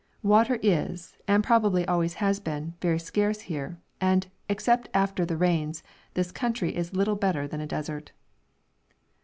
Water is, and probably always has been, very scarce here, and, except after the rains, this country is little better than a desert.